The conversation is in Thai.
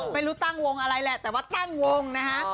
ไม่รู้ตั้งวงอะไรแหละแต่ว่าตั้งวงนะฮะ